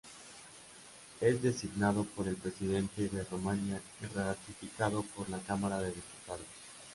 Es designado por el presidente de Rumania y ratificado por la Cámara de Diputados.